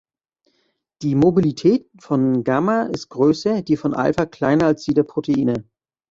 Die Mobilität von gamma ist größer, die von alpha kleiner als die der Proteine.